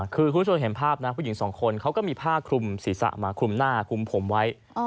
คือคุณผู้ชมเห็นภาพนะผู้หญิงสองคนเขาก็มีผ้าคลุมศีรษะมาคลุมหน้าคลุมผมไว้